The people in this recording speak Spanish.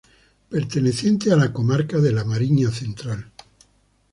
Perteneciente a la comarca de la Mariña Central.